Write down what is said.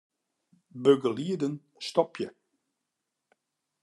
Begelieden stopje.